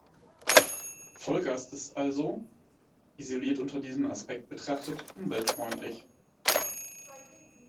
Vollgas ist also – isoliert unter diesem Aspekt betrachtet – umweltfreundlich.